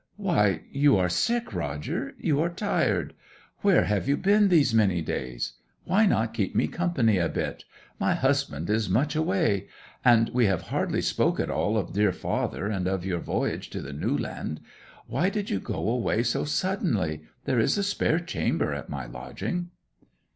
'Why you are sick, Roger you are tired! Where have you been these many days? Why not keep me company a bit my husband is much away? And we have hardly spoke at all of dear father and of your voyage to the New Land. Why did you go away so suddenly? There is a spare chamber at my lodging.'